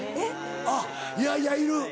あっいやいやいる。